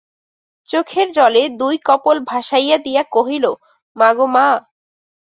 চোখের জলে দুই কপোল ভাসাইয়া দিয়া কহিল, মা গো মা!